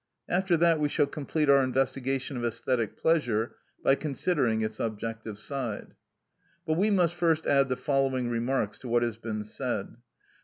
After that we shall complete our investigation of æsthetic pleasure by considering its objective side. But we must first add the following remarks to what has been said.